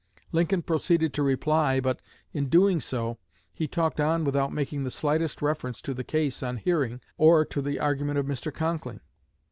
Lincoln proceeded to reply but, in doing so he talked on without making the slightest reference to the case on hearing or to the argument of Mr. Conkling.